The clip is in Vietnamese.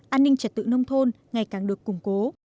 an ninh trật tự nông thôn ngày càng được củng cố